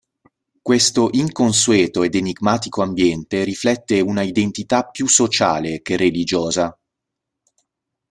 Questo inconsueto ed enigmatico ambiente riflette una identità più sociale che religiosa.